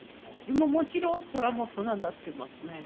もちろん空もつながってますね。